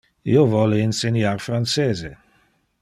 Io vole inseniar francese.